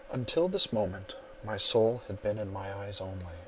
Until this moment my soul had been in my eyes only.